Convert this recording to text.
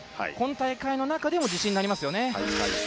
今大会の中でも自信になりますよね。